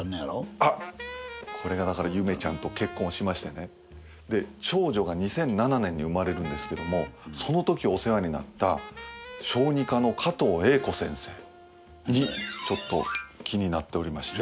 あっこれがだから夢ちゃんと結婚しましてねで長女が２００７年に生まれるんですけどもそのときお世話になった小児科の加藤英子先生にちょっと気になっておりまして。